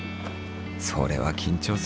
それは緊張するよね。